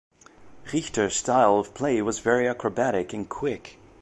Richter's style of play was very acrobatic and quick.